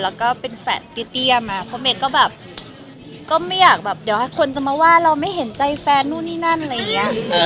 แล้วก็เป็นแฟดเตี้ยมาเพราะเมย์ก็แบบก็ไม่อยากแบบเดี๋ยวให้คนจะมาว่าเราไม่เห็นใจแฟนนู่นนี่นั่นอะไรอย่างนี้